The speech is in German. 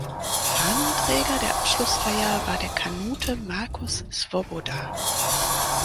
Fahnenträger der Abschlussfeier war der Kanute Markus Swoboda.